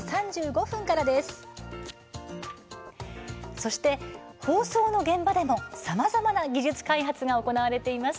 そして、放送の現場でもさまざまな技術開発が行われています。